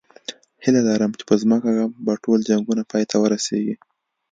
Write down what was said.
هیله لرم چې په ځمکه به ټول جنګونه پای ته ورسېږي